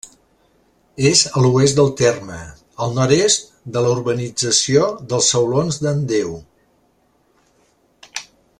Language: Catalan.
És a l'oest del terme, al nord-est de la urbanització dels Saulons d'en Déu.